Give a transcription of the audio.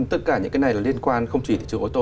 tất cả những cái này là liên quan không chỉ thị trường ô tô